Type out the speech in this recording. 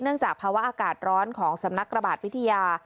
จากภาวะอากาศร้อนของสำนักระบาดวิทยา